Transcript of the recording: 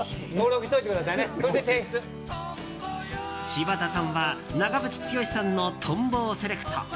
柴田さんは長渕剛さんの「とんぼ」をセレクト。